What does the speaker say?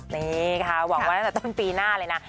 นี่ค่ะหวังไว้ตั้งแต่ต้นปีหน้าเลยนะ